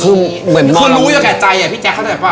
คือเหมือนมองเราคือรู้อยู่แก่ใจพี่แจ๊คเขาแบบว่า